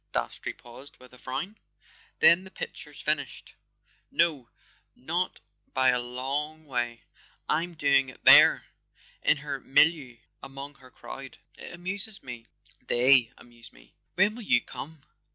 Dastrey paused with a frown. "Then the picture's finished?" "No—not by a long way. I'm doing it there—in her milieu , among her crowd. It amuses me; they amuse me. When will you come?"